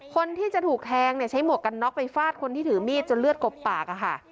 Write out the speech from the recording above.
คนที่จะถูกแทงเนี่ยใช้หมวกกันน็อกไปฟาดคนที่ถือมีดจนเลือดกบปากอะค่ะ